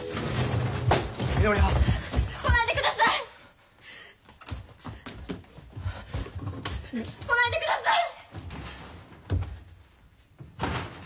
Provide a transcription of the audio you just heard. みのりはん！来ないでください！来ないでください！